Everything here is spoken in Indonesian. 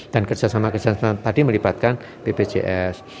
dan kerjasama kerjasama tadi melibatkan bpjs